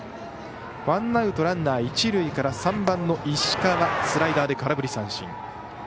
ワンアウト、ランナー、一塁から３番の石川スライダーで空振り三振。